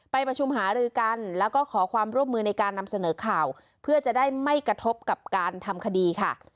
ประชุมหารือกันแล้วก็ขอความร่วมมือในการนำเสนอข่าวเพื่อจะได้ไม่กระทบกับการทำคดีค่ะ